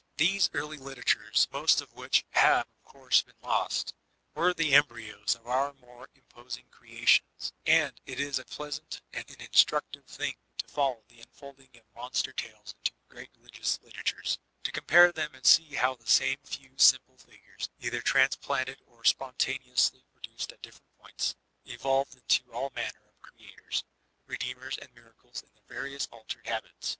These early literatures, most of which have of course been lost, were the embryos of our more inqxtsing creat* dons ; and it is a pleasant and an instructive thing to f ol* low the unfolding of Monster Tales into Great Religioos Literatures ; to compare them and see how the same few simple figures, either transplanted or spontaneously pro duced at different points, evolved into all manner of Creators, Redeemers and miracles in their various altered habitats.